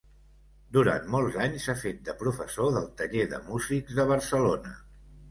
Durant molts anys ha fet de professor del Taller de Músics de Barcelona.